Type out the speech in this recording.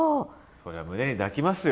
それは胸に抱きますよ。